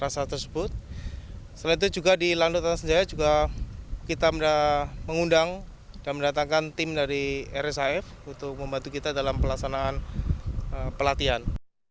setelah itu juga di landuk tanah senjaya kita sudah mengundang dan mendatangkan tim dari rsaf untuk membantu kita dalam pelaksanaan pelatihan